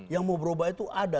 yang mau berubah itu ada